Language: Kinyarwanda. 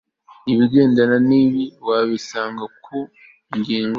Ibigendana nibi wabisanga ku ngingo